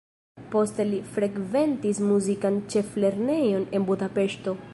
Poste li frekventis muzikan ĉeflernejon en Budapeŝto.